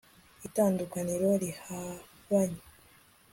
itandukaniro rihabanye